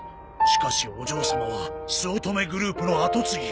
しかしお嬢様は酢乙女グループの跡継ぎ。